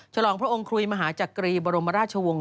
ฉลองพระองค์คุยมหาจักรีบรมราชวงศ์